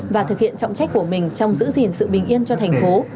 và thực hiện trọng trách của mình trong giữ gìn sự bình yên cho thành phố